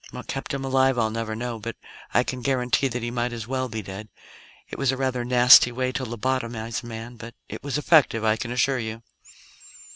What kept him alive, I'll never know, but I can guarantee that he might as well be dead; it was a rather nasty way to lobotomize a man, but it was effective, I can assure you."